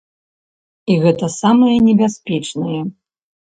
І гэта самае небяспечнае.